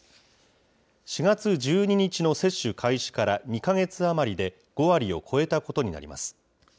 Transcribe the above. ４月１２日の接種開始から２か月余りで、５割を超えたことになります。